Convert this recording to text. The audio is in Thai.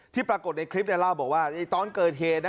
ปรากฏในคลิปเล่าบอกว่าตอนเกิดเหตุ